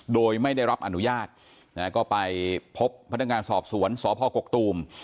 โดยไม่ได้รับอนุญาตก็ไปพบพนักงานสอบสวนสพกกตูม